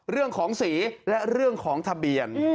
เรื่องของสีและเรื่องของทะเบียน